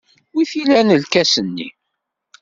Wi t-ilan lkas-nni?